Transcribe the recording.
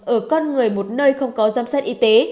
ở con người một nơi không có giám sát y tế